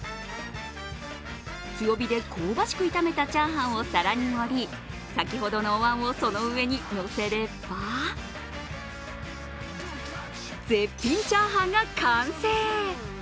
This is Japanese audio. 強火で香ばしく炒めたチャーハンを皿に盛り先ほどのお椀をその上にのせれば絶品炒飯が完成。